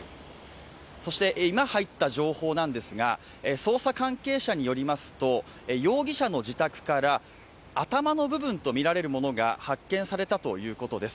そして、今入った情報なんですが捜査関係者によりますと容疑者の自宅から頭の部分とみられるものが発見されたということです。